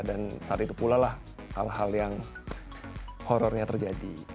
dan saat itu pula lah hal hal yang horornya terjadi